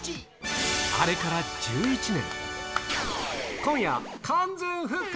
あれから１１年。